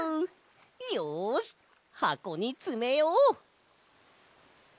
よしはこにつめよう！